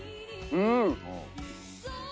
うん。